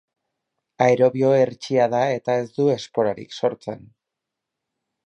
Aerobio hertsia da eta ez du esporarik sortzen.